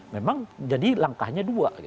memang jadi langkahnya dua